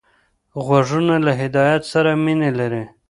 غوږونه له هدایت سره مینه لري